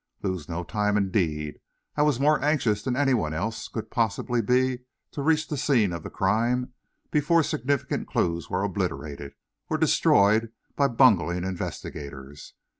Lose no time indeed! I was more anxious than any one else could possibly be to reach the scene of the crime before significant clues were obliterated or destroyed by bungling investigators.